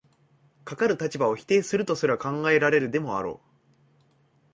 かかる立場を否定するとすら考えられるでもあろう。